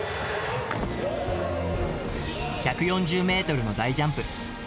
１４０メートルの大ジャンプ。